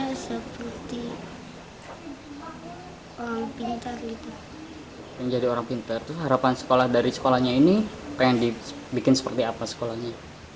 pengen jadi orang pintar terus harapan dari sekolah ini pengen dibikin seperti apa sekolahnya